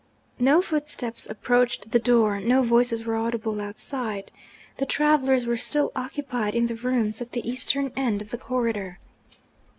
No footsteps approached the door; no voices were audible outside. The travellers were still occupied in the rooms at the eastern end of the corridor.